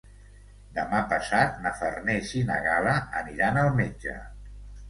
Demà passat na Farners i na Gal·la aniran al metge.